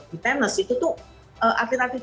di tenis itu tuh atlet atlet